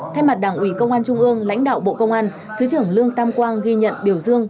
thay mặt đảng ủy công an trung ương lãnh đạo bộ công an thứ trưởng lương tam quang ghi nhận biểu dương